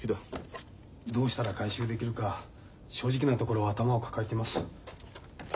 どうしたら回収できるか正直なところ頭を抱えています。